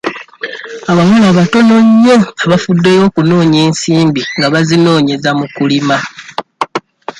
Abawala batono nnyo abafuddeyo okunoonya ensimbi nga bazinoonyeza mu kulima.